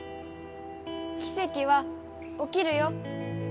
奇跡は起きるよ。